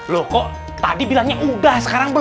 loh kok tadi bilangnya udah sekarang